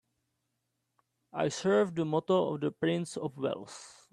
I serve the motto of the Prince of Wales